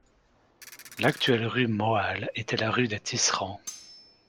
L'actuelle rue Moal était la rue des tisserands.